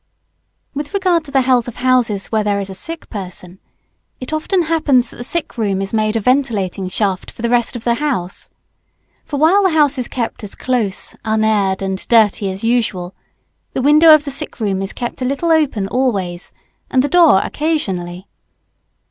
] With regard to the health of houses where there is a sick person, it often happens that the sick room is made a ventilating shaft for the rest of the house. For while the house is kept as close, unaired, and dirty as usual, the window of the sick room is kept a little open always, and the door occasionally.